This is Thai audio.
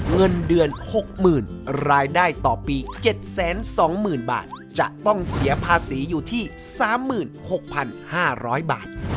เงินเดือน๖๐๐๐รายได้ต่อปี๗๒๐๐๐บาทจะต้องเสียภาษีอยู่ที่๓๖๕๐๐บาท